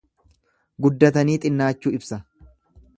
Guddatanii xinnaachuu ibsa.